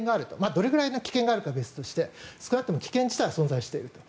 どれくらいの危険があるかは別にして少なくとも危険自体は存在していると。